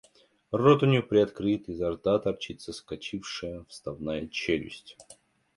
Рот у нее приоткрыт и изо рта торчит соскочившая вставная челюсть.